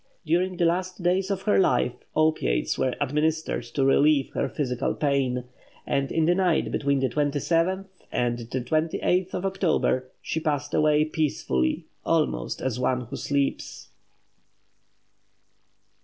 During the last days of her life, opiates were administered to relieve her physical pain; and in the night between the 27th and the 28th of October, she passed away peacefully, almost as one who sleeps.